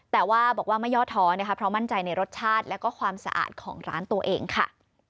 แต่ว่าบอกว่าไม่ยอดท้อนะคะเพราะมั่นใจในรสชาติและความสะอาดของร้านตัวเองค่ะ